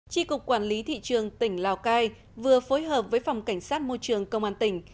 chi cục quản lý thị trường tỉnh lào cai vừa phối hợp với phòng cảnh sát môi trường công an tỉnh